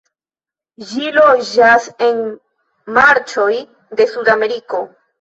Ĝi loĝas en marĉoj de Sudameriko.